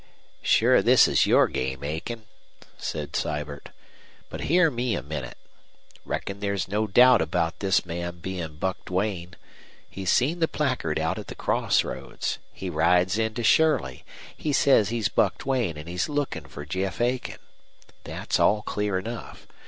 "Sure this 's your game, Aiken," said Sibert. "But hear me a minute. Reckon there's no doubt about this man bein' Buck Duane. He seen the placard out at the cross roads. He rides in to Shirley. He says he's Buck Duane an' he's lookin' for Jeff Aiken. That's all clear enough.